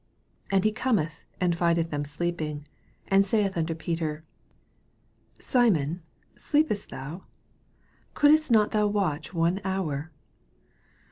37 And he cometh, and findeth them sleeping, and saith unto Peter, Simon, sieepest thou? couldest not thou watch one hour